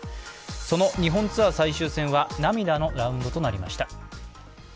その日本ツアー最終戦は涙のラウンドとなりました。